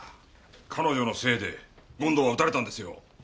彼女のせいで権藤は撃たれたんですよ。